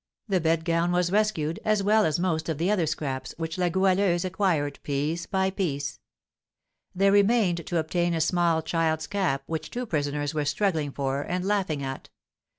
The bed gown was rescued, as well as most of the other scraps, which La Goualeuse acquired piece by piece. There remained to obtain a small child's cap, which two prisoners were struggling for, and laughing at.